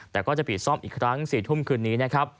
แต่ก็จะผิดซ่อมอีกครั้ง๔ทุ่มคืนนี้